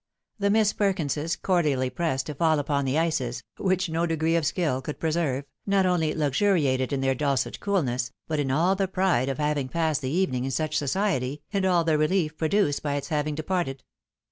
The Miss Perkinses, cordially pressed to fall upon the ices (which no degree of skill could preserve), not only luxuriated in their dulcet coolness, but in all the pride of having passed the evening in such society, and all the rehef produced by its having departed.